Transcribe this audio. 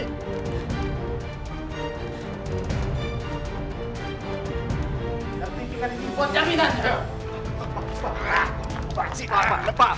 saya mau pergi ke rumah